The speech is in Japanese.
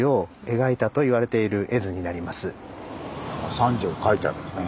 「三条」書いてありますね。